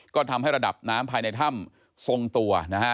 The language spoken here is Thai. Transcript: ก็ทำให้ระดับน้ำภายในถ้ำทรงตัวนะฮะ